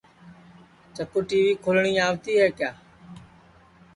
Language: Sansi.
چکُو ٹی وی کھولٹؔی آوتی ہے کیا